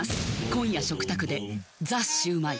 今夜食卓で「ザ★シュウマイ」